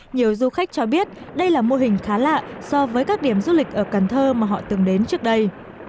nhiều du khách cho biết đây là mô hình khá lạ so với các điểm du lịch ở cần thơ mà họ từng đến trước đây